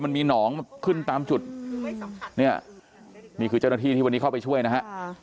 มันมีหนองขึ้นตามจุดเนี่ยนี่คือเจ้าหน้าที่ที่วันนี้เข้าไปช่วยนะฮะ